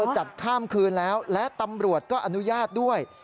จัดข้ามคืนแล้วและตำรวจก็อนุญาตด้วย